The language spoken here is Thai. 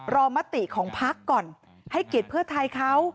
รอมติของภักดิ์ก่อนให้กิจเพื่อไทยเขา